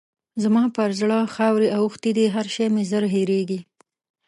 زما پر زړه خاورې اوښتې دي؛ هر شی مې ژر هېرېږي.